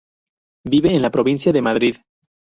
Vive en la provincia de Madrid.